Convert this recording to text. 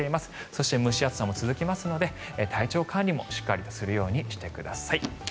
そして蒸し暑さも続きますので体調管理もしっかりするようにしてください。